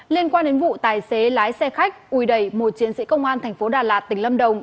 liên quan đến vụ tài xế lái xe khách ùi đầy một chiến sĩ công an thành phố đà lạt tỉnh lâm đồng